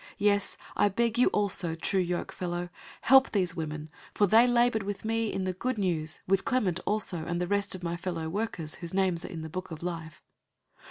004:003 Yes, I beg you also, true yokefellow, help these women, for they labored with me in the Good News, with Clement also, and the rest of my fellow workers, whose names are in the book of life.